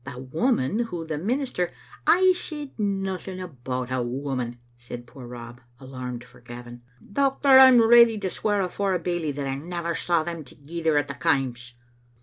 The woman whom the minister ♦*I said nothing about a woman," said poor Rob, alarmed for Gavin. " Doctor, I'm ready to swear afore a bailie that I never saw them thegither at the Kaims."